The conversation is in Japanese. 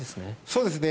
そうですね。